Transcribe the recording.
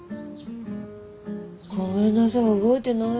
ごめんなさい覚えてないわ。